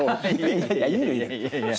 いやいやいやいや。